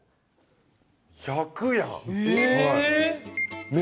１００やん。